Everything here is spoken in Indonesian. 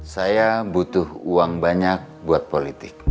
saya butuh uang banyak buat politik